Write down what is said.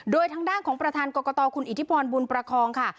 โดยทางด้านของประธานกรกตคุณอิทธิพรบุญประคองค่ะ